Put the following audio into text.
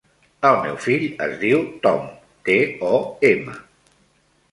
El meu fill es diu Tom: te, o, ema.